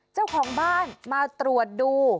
เจ้าของบ้านมาตรวจดู